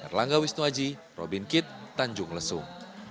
erlangga wisnuaji robin kitt tanjung lesung